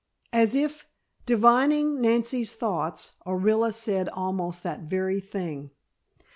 As if divining Nancy's thoughts, Orilla said almost that very thing.